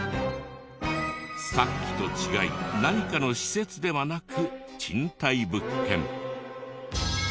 さっきと違い何かの施設ではなく賃貸物件。